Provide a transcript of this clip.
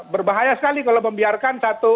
berbahaya sekali kalau membiarkan satu